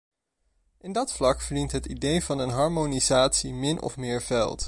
In dat vlak wint het idee van een harmonisatie min of meer veld.